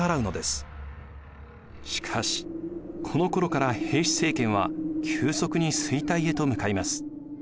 しかしこのころから平氏政権は急速に衰退へと向かいます。